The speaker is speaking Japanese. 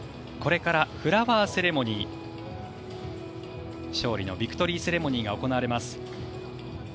これからフラワーセレモニー勝利のビクトリーセレモニーが行われます。